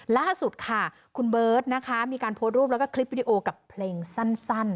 ล่าสุดค่ะคุณเบิร์ตนะคะมีการโพสต์รูปแล้วก็คลิปวิดีโอกับเพลงสั้น